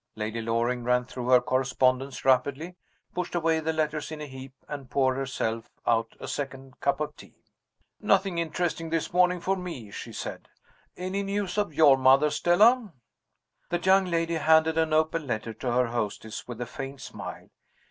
Lady Loring ran through her correspondence rapidly, pushed away the letters in a heap, and poured herself out a second cup of tea. "Nothing interesting this morning for me," she said. "Any news of your mother, Stella?" The young lady handed an open letter to her hostess, with a faint smile.